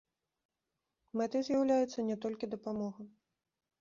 Мэтай з'яўляецца не толькі дапамога.